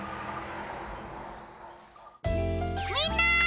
みんな！